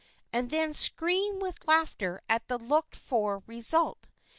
and then scream with laughter at the looked for result.